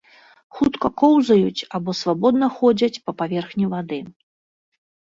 Хутка коўзаюць або свабодна ходзяць па паверхні вады.